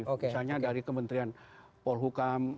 misalnya dari kementerian pol hukum